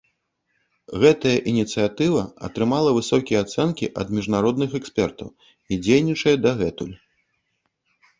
Гэта ініцыятыва атрымала высокія ацэнкі ад міжнародных экспертаў і дзейнічае дагэтуль.